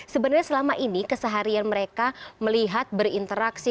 sebenarnya selama ini keseharian mereka melihat berinteraksi